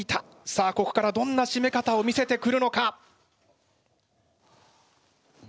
さあここからどんなしめ方を見せてくるのか？